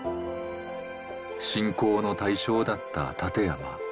信仰の対象だった立山。